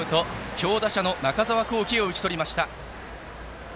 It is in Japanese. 強打者の中澤恒貴を打ち取りました。